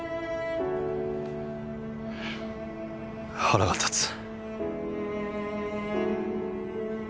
腹が立つ。